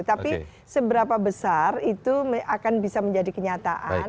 tapi seberapa besar itu akan bisa menjadi kenyataan